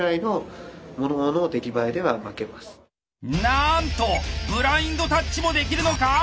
なんとブラインドタッチもできるのか？